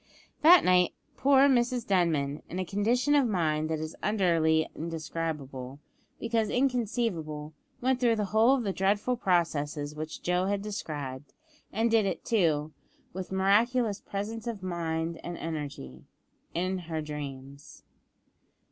That night, poor Mrs Denman, in a condition of mind that is utterly indescribable, because inconceivable, went through the whole of the dreadful processes which Joe had described; and did it, too, with miraculous presence of mind and energy in her dreams.